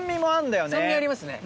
酸味ありますね。